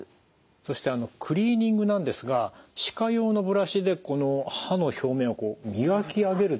そしてあのクリーニングなんですが歯科用のブラシでこの歯の表面を磨き上げるということをしてるんですね。